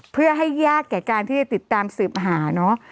เพื่อให้ยากแก่การที่จะติดตามสืบหาเนอะ